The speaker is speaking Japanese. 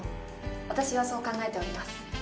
私はそう考えております。